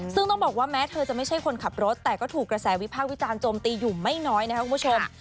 ซึ่งต้องบอกว่าแม้เธอจะไม่ใช่คนขับรถแต่ก็ถูกกระแสวิพากษ์วิจารณ์โจมตีอยู่ไม่น้อยนะครับคุณผู้ชม